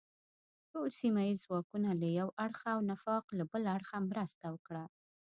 ټول سیمه ییز ځواکونه له یو اړخه او نفاق له بل اړخه مرسته وکړه.